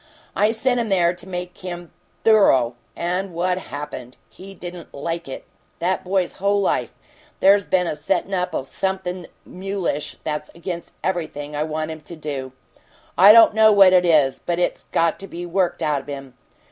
I sent him there to make him THOROUGH. And what happened? He didn't LIKE it! That boy's whole life, there's been a settin' up o' something mulish that's against everything I want him to do. I don't know what it is, but it's got to be worked out of him.